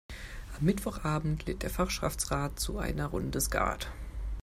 Am Mittwochabend lädt der Fachschaftsrat zu einer Runde Skat.